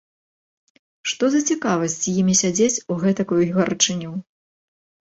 Што за цікавасць з імі сядзець у гэтакую гарачыню?